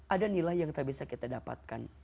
ada nilai yang tak bisa kita dapatkan